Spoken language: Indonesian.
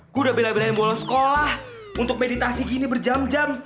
gua udah bela belain bola sekolah untuk meditasi gini berjam jam